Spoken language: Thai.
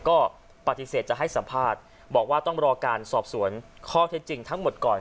ก็ปฏิเสธจะให้สัมภาษณ์บอกว่าต้องรอการสอบสวนข้อเท็จจริงทั้งหมดก่อน